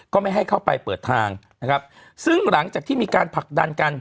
ก็ไม่ให้เข้าไปเปิดทางนะครับซึ่งหลังจากที่มีการผลักดันกัน